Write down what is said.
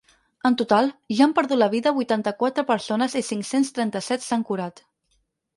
En total, ja han perdut la vida vuitanta-quatre persones i cinc-cents trenta-set s’han curat.